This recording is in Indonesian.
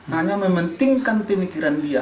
hanya mementingkan pemikiran dia